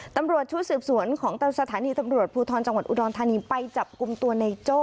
ตำรวจชุดสืบสวนของสถานีตำรวจภูทรจังหวัดอุดรธานีไปจับกลุ่มตัวในโจ้